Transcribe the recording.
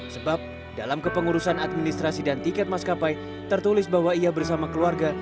sebab dalam kepengurusan administrasi dan tiket maskapai tertulis bahwa ia bersama keluarga